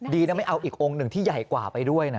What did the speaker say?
ดีนะไม่เอาอีกองค์หนึ่งที่ใหญ่กว่าไปด้วยนะ